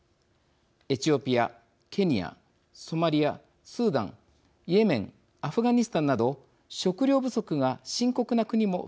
エチオピアケニアソマリアスーダンイエメンアフガニスタンなど食料不足が深刻な国も含まれています。